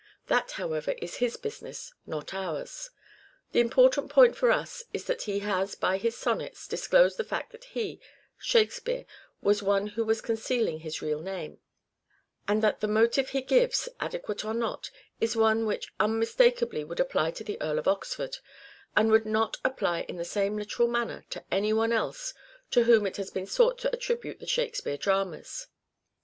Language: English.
That, however, is his business, not ours. The important point for us is that he has by his sonnets disclosed the fact that he, " Shakespeare," was one who was concealing his real name, and that the motive 212 " SHAKESPEARE " IDENTIFIED he gives, adequate or not, is one which unmistakably would apply to the Earl of Oxford ; and would not apply in the same literal manner to any one else to whom it has been sought to attribute the Shakespeare dramas.